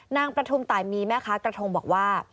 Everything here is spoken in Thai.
นางประทุมตายมีไหมคะกระทงบอกว่า